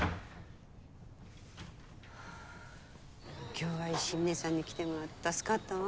今日は伊志嶺さんに来てもらって助かったわ。